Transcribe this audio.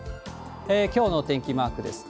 きょうの天気マークです。